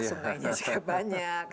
sumbainya juga banyak